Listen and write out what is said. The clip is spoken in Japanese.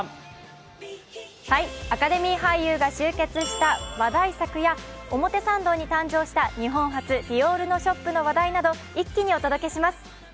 アカデミー俳優が集結した話題作や表参道に誕生した日本初、ディオールのショップの話題など一気にお届けします。